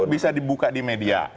bisa dibuka di media